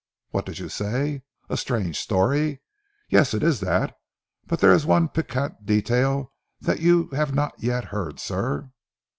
What did you say? A strange story. Yes, it is that; but there is one piquant detail that you have not yet heard, sir!"